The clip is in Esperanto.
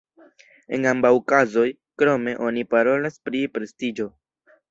En ambaŭ kazoj, krome, oni parolas pri prestiĝo.